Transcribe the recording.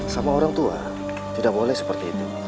sama orang tua tidak boleh seperti itu